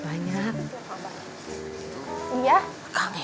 saya mah suka yang begini